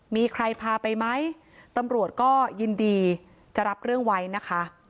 มีใครพาไปไหมตำรวจก็ยินดีจะรับเรื่องไว้นะคะ